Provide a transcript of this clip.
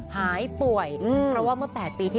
แล้วล้มป่วยไปค่ะ